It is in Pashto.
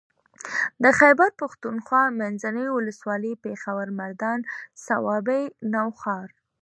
د خېبر پښتونخوا منځنۍ ولسوالۍ پېښور مردان صوابۍ نوښار